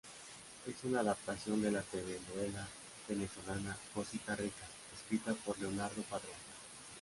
Es una adaptación de la telenovela venezolana "Cosita rica" escrita por Leonardo Padrón.